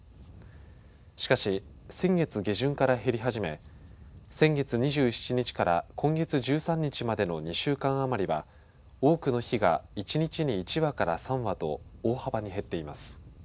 しかし、先月下旬から減り始め先月２７日から今月１３日までの２週間余りは多くの日が一日に１羽から３羽と大幅に減っています。